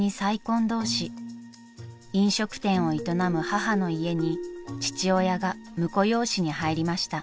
［飲食店を営む母の家に父親が婿養子に入りました］